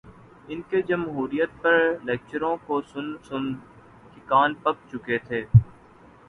ان کے جمہوریت پہ لیکچروں کو سن سن کے کان پک چکے تھے۔